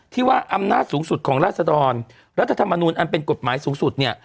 ที่ว่าอำนาจสูงสุดของราศดรรัฐธรรมนูลอันเป็นกฎหมายสูงสุดเนี่ย